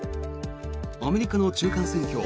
アメリカの中間選挙